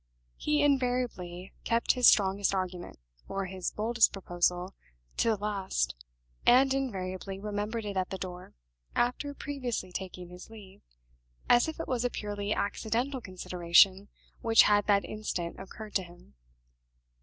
He invariably kept his strongest argument, or his boldest proposal, to the last, and invariably remembered it at the door (after previously taking his leave), as if it was a purely accidental consideration which had that instant occurred to him.